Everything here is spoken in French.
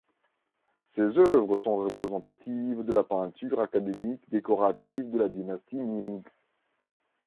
Ses œuvres sont représentative de la peinture académique décorative de la dynastie Ming.